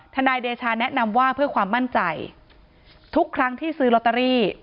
นายเดชาแนะนำว่าเพื่อความมั่นใจทุกครั้งที่ซื้อลอตเตอรี่